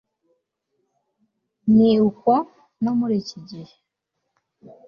ni ko no muri iki gihe